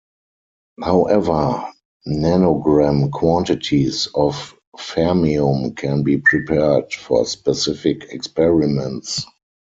However, nanogram quantities of fermium can be prepared for specific experiments.